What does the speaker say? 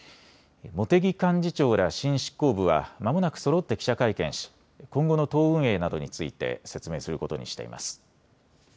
茂木幹事長ら新執行部は、まもなくそろって記者会見し、今後の党運営などについて説明することにしています。